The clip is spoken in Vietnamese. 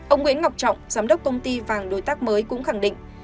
ông nguyễn ngọc trọng giám đốc công ty vàng đối tác mới cũng khẳng định